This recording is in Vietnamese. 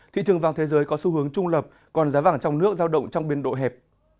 thị trường vàng thế giới có xu hướng trung lập còn giá vàng trong nước giao động trong biên độ hẹp